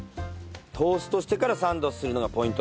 トーストしてからサンドするのがポイントだそうですね。